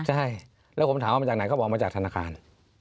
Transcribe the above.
ใช่แล้วผมถามว่ามาจากไหนเขาบอกมาจากธนาคาร